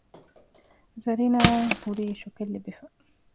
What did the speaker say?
ޒަރީނާ އަށް ހުރީ ޝޮކެއް ލިބިފަ